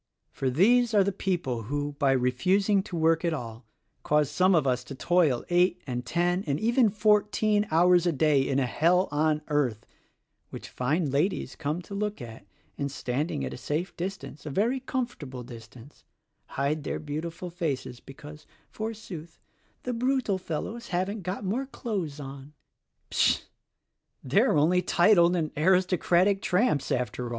For these are the people who, by refusing to work at all, cause some of us to toil eight and ten and even fourteen hours a day in a hell on earth (which fine ladies come to look at and — standing at a safe distance, a very comfortable distance — hide their beautiful faces because, forsooth, 'The brutal fellows haven't more clothes on.' Pshaw! they are only titled and aristocratic tramps after all)."